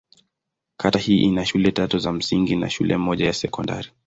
Kata hii ina shule tatu za msingi na shule moja ya sekondari.